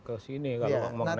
ke sini kalau mengenai detail itu